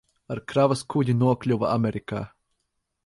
Ar kravas kuģi nokļuva Amerikā.